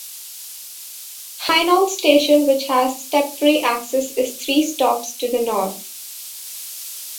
Hainault station which has step-free access is three stops to the north.